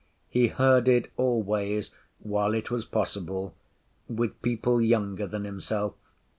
He herded always, while it was possible, with people younger than himself.